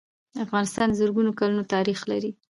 افغانستان د زرګونو کلونو تاریخ لري.